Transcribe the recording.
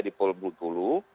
di pol bukulu